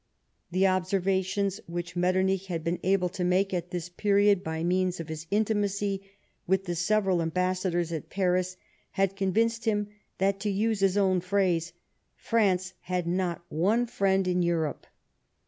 The observations which Metternich had been able to make at this period by means of his intimacy with the several ambassadors at Paris had convinced him that, to use his own phrase, " France had not one friend in Europe."